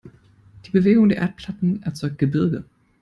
Die Bewegung der Erdplatten erzeugt Gebirge.